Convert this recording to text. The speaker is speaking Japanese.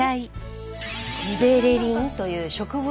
ジベレリンという植物